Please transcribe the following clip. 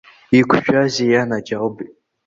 Иқәшәази ианаџьалбеит?